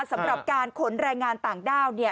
สำหรับการขนแรงงานต่างด้าวเนี่ย